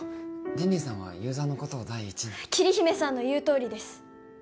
凜々さんはユーザーのことを第一に桐姫さんの言うとおりです